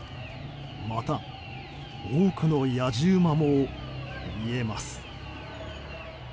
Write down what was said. また、多くのやじ馬も見えます。